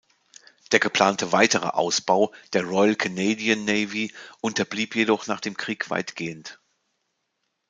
Der geplante weitere Ausbau der Royal Canadian Navy unterblieb jedoch nach dem Krieg weitgehend.